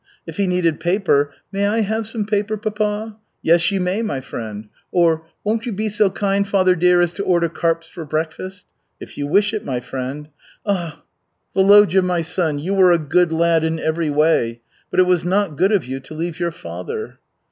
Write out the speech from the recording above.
If he needed paper, 'May I have some paper, papa?' 'Yes, you may, my friend,' Or, 'Won't you be so kind, father dear, as to order carps for breakfast?' 'If you wish it, my friend.' Ah, Volodya, my son, you were a good lad in every way, but it was not good of you to leave your father."